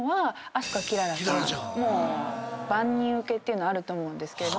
もう万人受けっていうのはあると思うんですけれども。